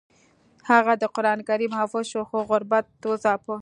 هغه د قران کریم حافظ شو خو غربت وځاپه